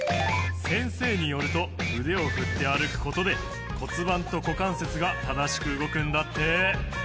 先生によると腕を振って歩く事で骨盤と股関節が正しく動くんだって。